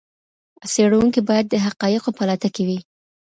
څېړونکی باید د حقایقو په لټه کې وي.